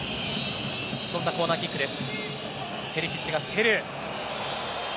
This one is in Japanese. そんなコーナーキックです。